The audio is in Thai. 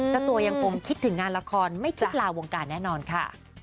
เจ้าตัวยังคงคิดถึงงานละครไม่คิดลาวงการแน่นอนค่ะ